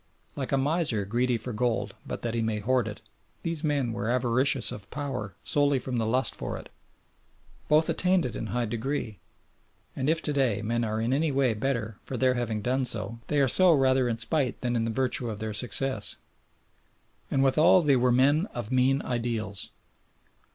Like a miser greedy for gold but that he may hoard it, these men were avaricious of power solely from the lust for it; both attained it in high degree, and if to day men are in any way better for their having done so they are so rather in spite than in virtue of their success. And withal they were men of mean ideals.